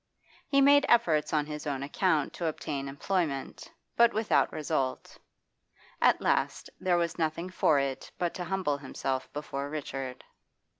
He made efforts on his own account to obtain employment, but without result. At last there was nothing for it but to humble himself before Richard.